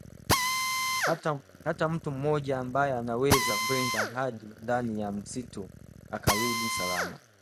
hata mtu mmoja ambaye anaweza kwenda hadi ndani ya msitu akarudi salama